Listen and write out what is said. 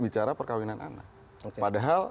bicara perkawinan anak padahal